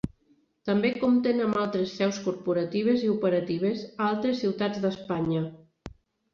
També compten amb altres seus corporatives i operatives a altres ciutats d'Espanya.